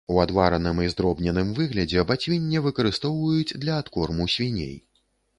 У адвараным і здробненым выглядзе бацвінне выкарыстоўваюць для адкорму свіней.